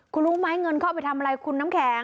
คุณรู้ไหมเงินเข้าไปทำอะไรคุณน้ำแข็ง